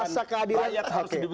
rakyat harus diberikan pendidikan dong